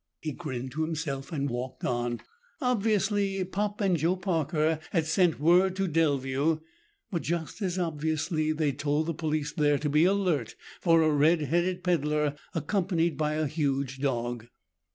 He grinned to himself and walked on. Obviously, Pop and Joe Parker had sent word to Delview, but just as obviously they'd told the police there to be alert for a red headed peddler accompanied by a huge dog.